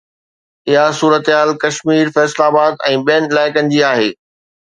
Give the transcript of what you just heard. اها صورتحال ڪشمير، فيصل آباد ۽ ٻين علائقن جي آهي